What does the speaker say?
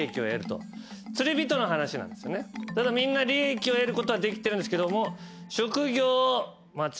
みんな利益を得ることはできてるんですけども。